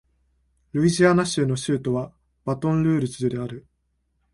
ルイジアナ州の州都はバトンルージュである